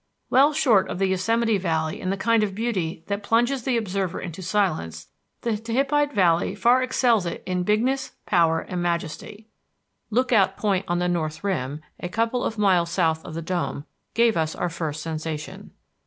Well short of the Yosemite Valley in the kind of beauty that plunges the observer into silence, the Tehipite Valley far excels it in bigness, power, and majesty. Lookout Point on the north rim, a couple of miles south of the Dome, gave us our first sensation.